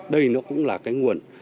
đây nó cũng là cái nguồn